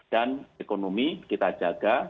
dan ekonomi kita jaga